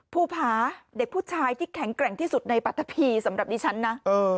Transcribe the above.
ภูผาเด็กผู้ชายที่แข็งแกร่งที่สุดในปัตตะพีสำหรับดิฉันนะ